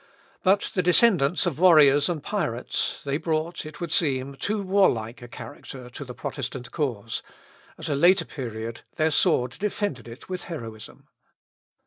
But, the descendants of warriors and pirates, they brought, it would seem, too warlike a character to the Protestant cause; at a later period, their sword defended it with heroism.